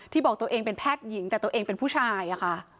บอกตัวเองเป็นแพทย์หญิงแต่ตัวเองเป็นผู้ชายอะค่ะ